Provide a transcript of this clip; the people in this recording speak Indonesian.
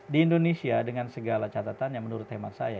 di indonesia dengan segala catatan yang menurut hemat saya